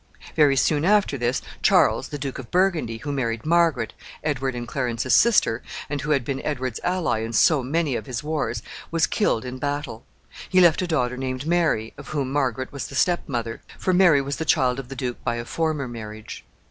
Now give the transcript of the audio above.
Very soon after this, Charles, the Duke of Burgundy, who married Margaret, Edward and Clarence's sister, and who had been Edward's ally in so many of his wars, was killed in battle. He left a daughter named Mary, of whom Margaret was the step mother; for Mary was the child of the duke by a former marriage.